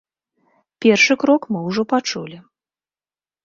Першы крок мы ўжо пачулі.